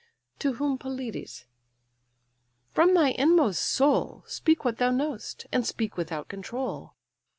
To whom Pelides:—"From thy inmost soul Speak what thou know'st, and speak without control.